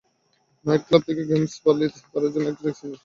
Night club থেকে তাঁরা games পল্লিতে ফেরার জন্য একটা ট্যাক্সি নিয়েছিলেন।